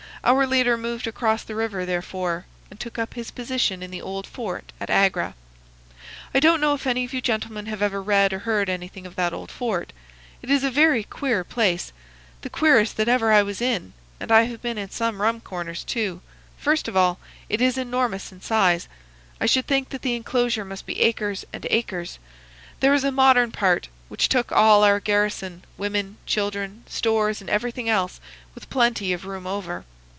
Our leader moved across the river, therefore, and took up his position in the old fort at Agra. I don't know if any of you gentlemen have ever read or heard anything of that old fort. It is a very queer place,—the queerest that ever I was in, and I have been in some rum corners, too. First of all, it is enormous in size. I should think that the enclosure must be acres and acres. There is a modern part, which took all our garrison, women, children, stores, and everything else, with plenty of room over.